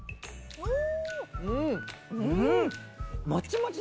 うん！